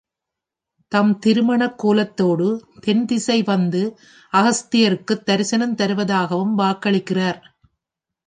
தம் திருமணக் கோலத்தோடு தென் திசை வந்து அகஸ்தியருக்குத் தரிசனம் தருவதாகவும் வாக்களிக்கிறார்.